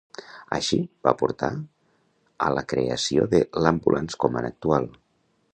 Així, va portar a la creació de l'Ambulance Command actual.